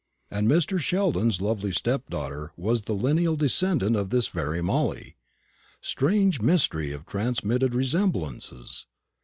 And Mr. Sheldon's lovely stepdaughter was the lineal descendant of this very Molly. Strange mystery of transmitted resemblances!